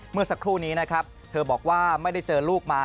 เมื่อสักครู่นี้นะครับเธอบอกว่าไม่ได้เจอลูกมา